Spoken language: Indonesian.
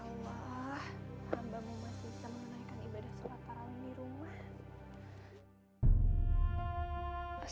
abah mau masih sama menaikkan ibadah sholat para ummi rumah